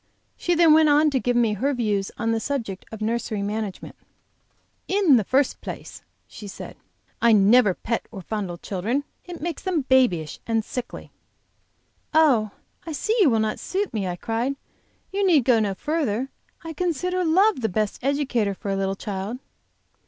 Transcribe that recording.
She then went on to give me her views on the subject of nursery management. "In the first place," she said, "I never pet or fondle children. It makes them babyish and sickly." "Oh, I see you will not suit me," I cried. "You need go no farther. I consider love the best educator for a little child."